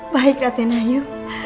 baik raden ayu